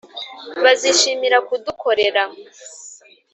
Bazishimira kudukorera